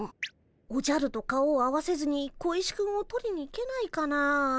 おじゃると顔を合わせずに小石くんを取りに行けないかな？